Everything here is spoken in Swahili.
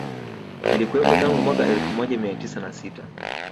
Ilikuwepo tangu mwaka elfu moja mia tisa na sita